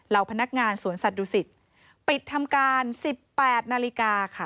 เราพนักงานสวนสัตว์ดูสิตปิดทำการ๑๘นาฬิกาค่ะ